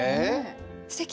すてき！